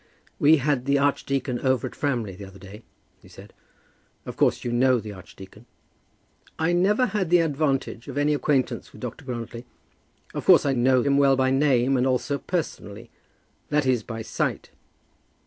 "We had the archdeacon over at Framley the other day," he said. "Of course you know the archdeacon?" "I never had the advantage of any acquaintance with Dr. Grantly. Of course I know him well by name, and also personally, that is, by sight."